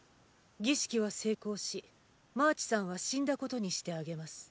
儀式は成功しマーチさんは死んだことにしてあげます。